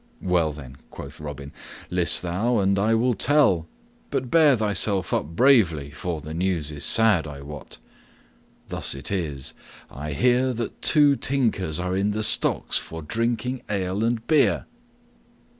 "Well then," quoth Robin, "list thou and I will tell, but bear thyself up bravely, for the news is sad, I wot. Thus it is: I hear that two tinkers are in the stocks for drinking ale and beer!"